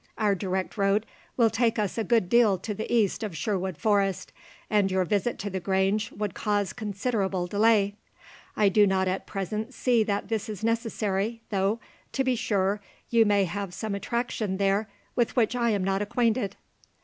"Our direct road will take us a good deal to the east of Sherwood Forest, and your visit to the Grange would cause considerable delay. I do not at present see that this is necessary, though, to be sure, you may have some attraction there with which I am not acquainted."